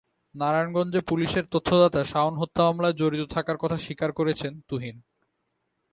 নারায়ণগঞ্জে পুলিশের তথ্যদাতা শাওন হত্যা মামলায় জড়িত থাকার কথা স্বীকার করেছেন তুহিন।